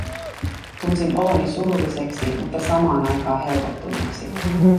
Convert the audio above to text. Tunsin oloni surulliseksi, mutta samaan aikaan helpottuneeksi.